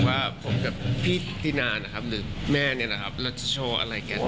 ว่าผมกับพี่ติ๊นนะครับหรือแม่เราจะโชว์อะไรกัน